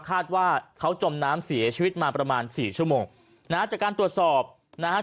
คาดว่าเขาจมน้ำเสียชีวิตมาประมาณสี่ชั่วโมงนะฮะจากการตรวจสอบนะฮะ